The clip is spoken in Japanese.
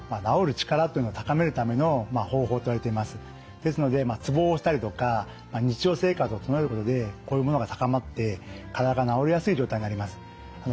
ですのでツボを押したりとか日常生活を整えることでこういうものが高まって体が治りやすい状態になります。